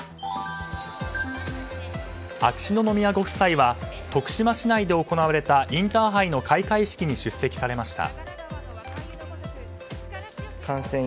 秋篠宮ご夫妻は徳島市内で行われたインターハイの開会式に出席されました。